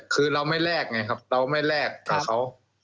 คือเราไม่แลกไงครับเราไม่แลกกับเขา